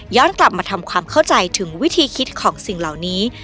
กลับมาทำความเข้าใจถึงวิธีคิดของสิ่งเหล่านี้